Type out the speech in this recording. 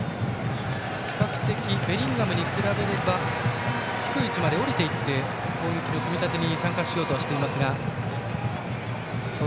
比較的ベリンガムに比べれば低い位置まで下りていって攻撃の組み立てに参加しようとしています。